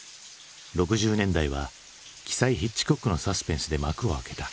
６０年代は鬼才ヒッチコックのサスペンスで幕を開けた。